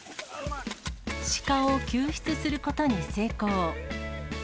鹿を救出することに成功。